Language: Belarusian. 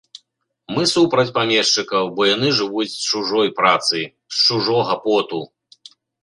Мы супроць памешчыкаў, бо яны жывуць з чужой працы, з чужога поту.